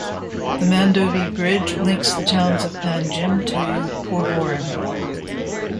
The Mandovi Bridge links the towns of Panjim to Porvorim.